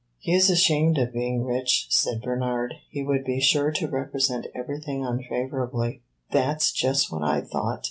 "He is ashamed of being rich," said Bernard. "He would be sure to represent everything unfavorably." "That 's just what I thought!"